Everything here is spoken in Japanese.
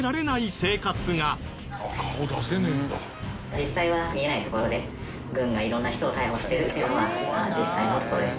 実際は見えない所で軍が色んな人を逮捕してるっていうのが実際のところです。